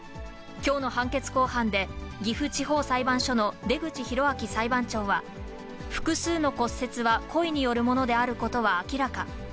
きょうの判決公判で、岐阜地方裁判所の出口博章裁判長は、複数の骨折は故意によるものであることは明らか。